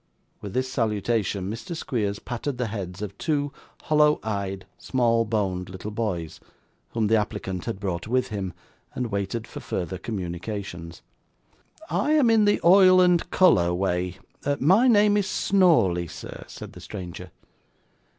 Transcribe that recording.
With this salutation Mr. Squeers patted the heads of two hollow eyed, small boned little boys, whom the applicant had brought with him, and waited for further communications. 'I am in the oil and colour way. My name is Snawley, sir,' said the stranger.